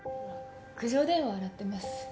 苦情電話洗ってます。